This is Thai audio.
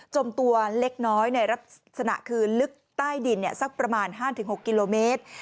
ตัวเล็กน้อยในลักษณะคือลึกใต้ดินสักประมาณ๕๖กิโลเมตร